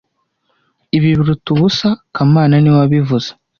Ibi biruta ubusa kamana niwe wabivuze